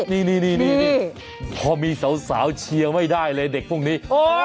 นี่พอมีสาวเชียร์ไม่ได้เลยเด็กพวกนี้